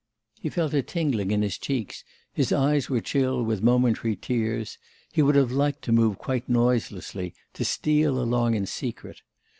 He felt a tingling in his cheeks, his eyes were chill with momentary tears; he would have liked to move quite noiselessly, to steal along in secret.